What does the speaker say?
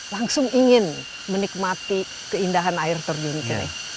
langsung ingin menikmati keindahan air terjun ini